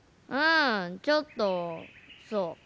うんちょっとそう。